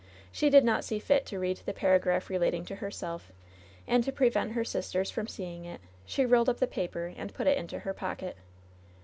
She did not see fit to read the paragraph relating to herself; and to prevent her sisters from seeing it, she rolled up the paper and put it into her pocket.